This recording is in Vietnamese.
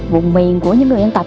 vùng miền của những người dân tộc